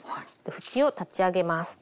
縁を立ち上げます。